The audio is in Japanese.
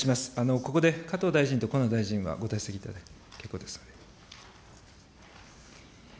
ここで加藤大臣と河野大臣はご退席いただいて結構です。